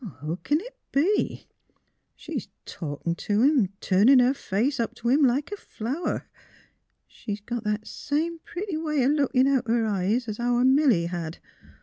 Who c'n it be? She's talkin' t' him, turnin' her face up t' him, like a flower. ... She's got that same pretty way o' lookin' out o' her eyes our Milly had.